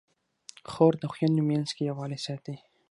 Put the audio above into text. خور د خویندو منځ کې یووالی ساتي.